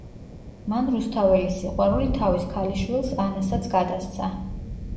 მან რუსთაველის სიყვარული თავის ქალიშვილს ანასაც გადასცა.